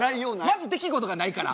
まず出来事がないから。